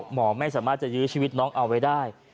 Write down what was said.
หมอไม่สามารถจะยื้อชีวิตน้องเอาไว้ได้